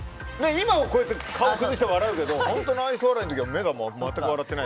今は顔を崩して笑うけど本当の愛想笑いの時は目が全く笑ってない。